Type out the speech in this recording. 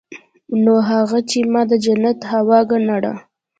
نو هغه چې ما د جنت هوا ګڼله.